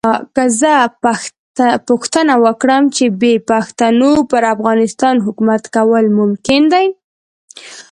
که زه پوښتنه وکړم چې بې پښتنو پر افغانستان حکومت کول ممکن دي.